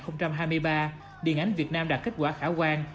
năm hai nghìn hai mươi ba điện ảnh việt nam đạt kết quả khả quan